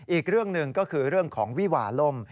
อีกเรื่องหนึ่งก็คือเรื่องของวิวาล่ม